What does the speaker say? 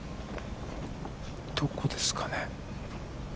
どこですかね。